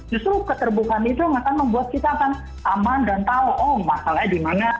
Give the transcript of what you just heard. justru keterbukaan itu yang akan membuat kita akan aman dan tahu oh masalahnya di mana